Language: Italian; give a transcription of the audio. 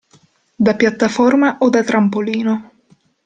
Da piattaforma o da trampolino.